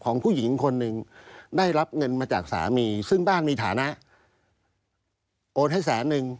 ผู้หญิงคนหนึ่งได้รับเงินมาจากสามีซึ่งบ้านมีฐานะโอนให้แสนนึง